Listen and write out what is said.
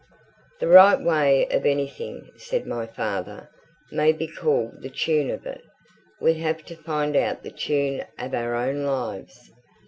"The right way of anything," said my father, "may be called the tune of it. We have to find out the tune of our own lives.